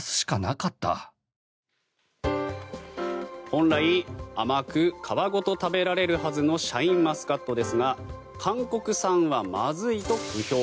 本来甘く皮ごと食べられるはずのシャインマスカットですが韓国産はまずいと不評。